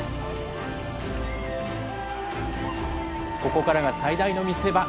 ここからが最大の見せ場。